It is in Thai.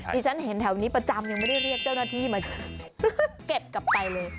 ที่ฉันเห็นแถวนี้ประจำยังไม่ได้เรียกเจ้าหน้าที่มาเก็บกลับไปเลย